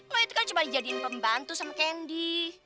lo itu kan cuma dijadiin pembantu sama candy